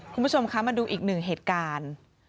คุณผู้ชมคะมาดูอีกหนึ่งเหตุการณ์